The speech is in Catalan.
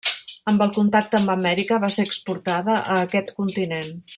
Amb el contacte amb Amèrica va ser exportada a aquest continent.